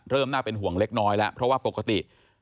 น่าเป็นห่วงเล็กน้อยแล้วเพราะว่าปกติ